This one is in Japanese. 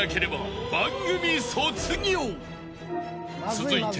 ［続いて］